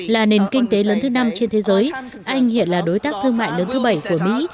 là nền kinh tế lớn thứ năm trên thế giới anh hiện là đối tác thương mại lớn thứ bảy của mỹ